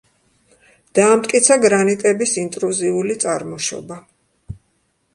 დაამტკიცა გრანიტების ინტრუზიული წარმოშობა.